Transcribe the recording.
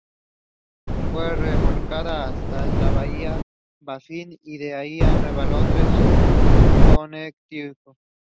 Fue remolcado hasta bahía Baffin y de ahí a Nueva Londres, Connecticut.